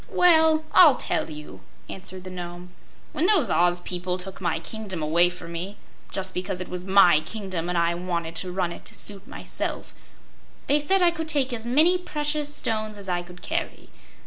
"Well, I'll tell you," answered the Nome. "When those Oz people took my kingdom away from me just because it was my kingdom and I wanted to run it to suit myself they said I could take as many precious stones as I could carry.